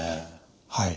はい。